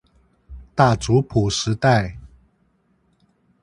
大族譜時代